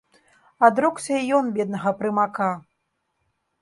Адрокся і ён беднага прымака.